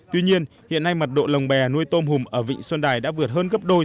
tuy nhiên hiện nay mật độ lồng bè nuôi tôm hùm ở vịnh xuân đài đã vượt hơn gấp đôi